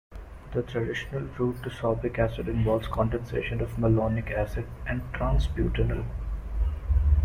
The traditional route to sorbic acid involves condensation of malonic acid and trans-butenal.